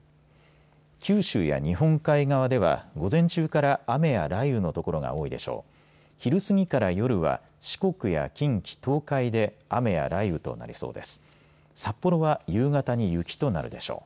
九州や日本海側では午前中から雨や雷雨の所が多いでしょう。